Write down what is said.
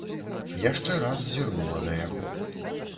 Яшчэ раз зірнула на яго.